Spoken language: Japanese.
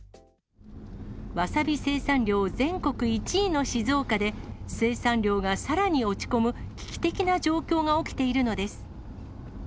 わさび生産量全国１位の静岡で、生産量がさらに落ち込む、危機的な状況が起きているのです。